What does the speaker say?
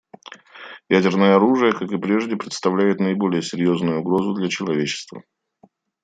Ядерное оружие, как и прежде, представляет наиболее серьезную угрозу для человечества.